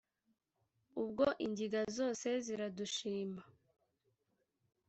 ubwo inkiga zose ziradushima